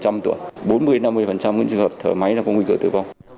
bốn mươi năm mươi những trường hợp thở máy là có nguy kịch tử vong